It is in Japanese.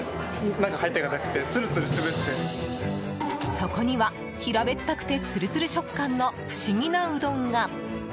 そこには、平べったくてつるつる食感の不思議なうどんが。